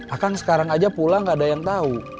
akang sekarang aja pulang nggak ada yang tahu